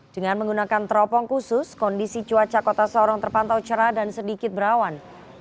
dengan menggunakan teropong khusus kondisi cuaca kota sorong terpantau cerah dan sedikit berawan